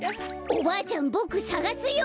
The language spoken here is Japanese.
おばあちゃんボクさがすよ。